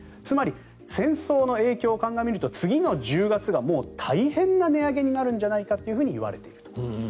つまり戦争の影響を鑑みると次の１０月が大変な値上げになるんじゃないかといわれている。